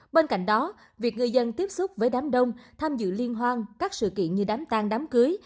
bên cạnh đó việc người dân tiếp xúc với đám đông tham dự liên hoan các sự kiện như đám tan đám cưới